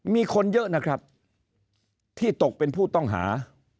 มีคนเยอะนะครับที่ตกเป็นผู้ต้องหา